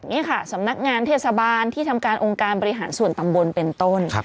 นี่ค่ะสำนักงานเทศบาลที่ทำการองค์การบริหารส่วนตำบลเป็นต้น